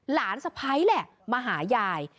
สะพ้ายแหละมาหายาย